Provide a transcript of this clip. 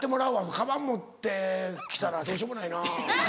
カバン持って来たらどうしようもないな。